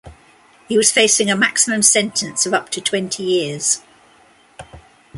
He was facing a maximum sentence of up to twenty years.